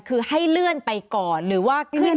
คือให้เลื่อนไปก่อนหรือว่าขึ้น